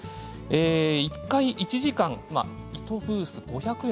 １回１時間１ブース５００円。